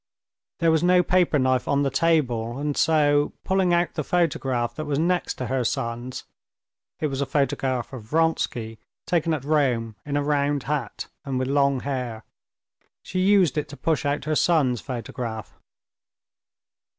There was no paper knife on the table, and so, pulling out the photograph that was next to her son's (it was a photograph of Vronsky taken at Rome in a round hat and with long hair), she used it to push out her son's photograph.